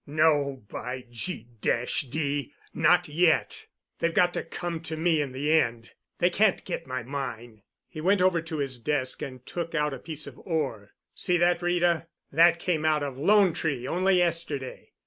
"No, by G—d! not yet. They've got to come to me in the end. They can't get my mine." He went over to his desk and took out a piece of ore. "See that, Rita; that came out of 'Lone Tree' only yesterday.